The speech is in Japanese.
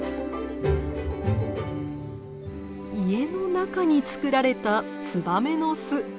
家の中につくられたツバメの巣！